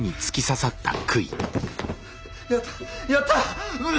やったやったウッ。